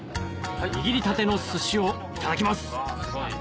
握りたての寿司をいただきます